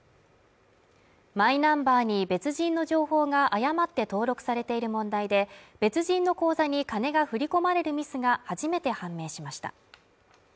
マイナンバーに別人の情報が誤って登録されている問題で、別人の口座に金が振り込まれるミスが初めて判明しました。